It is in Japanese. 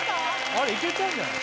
あれいけたんじゃない？